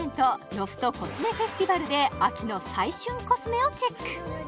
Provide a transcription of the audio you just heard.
ロフトコスメフェスティバルで秋の最旬コスメをチェック